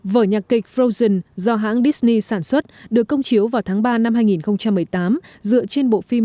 vở nhạc kịch frozen do hãng disney sản xuất được công chiếu vào tháng ba năm hai nghìn một mươi tám dựa trên bộ phim